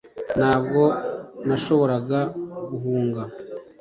Ntabwo nashoboraga guhunga